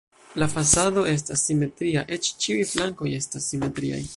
La fasado estas simetria, eĉ ĉiuj flankoj estas simetriaj.